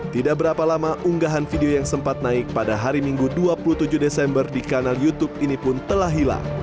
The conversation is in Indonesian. tidak berapa lama unggahan video yang sempat naik pada hari minggu dua puluh tujuh desember di kanal youtube ini pun telah hilang